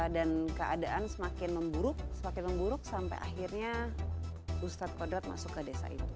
dan keadaan semakin memburuk sampai akhirnya ustadz kodrat masuk ke desa itu